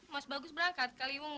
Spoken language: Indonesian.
mas bagus berangkat ke kalibung